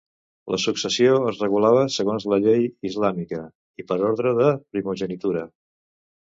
La successió es regulava segons la llei islàmica i per ordre de primogenitura.